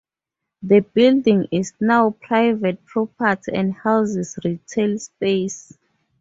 The building is now private property and houses retail space.